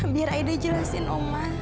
biar aida jelasin umar